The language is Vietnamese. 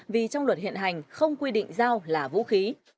vì trong luật hiện hành không quy định dao là vũ khí